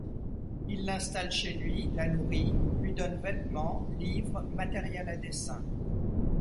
Il l'installe chez lui, la nourrit, lui donne vêtements, livres, matériel à dessin.